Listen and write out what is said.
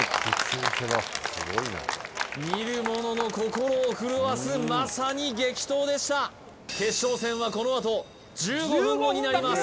見る者の心を震わすまさに激闘でした決勝戦はこのあと１５分後になります